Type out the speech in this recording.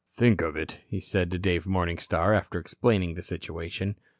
"Think of it," he said to Dave Morningstar, after explaining the situation.